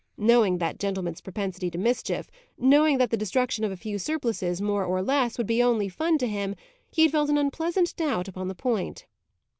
Knowing that gentleman's propensity to mischief, knowing that the destruction of a few surplices, more or less, would be only fun to him, he had felt an unpleasant doubt upon the point.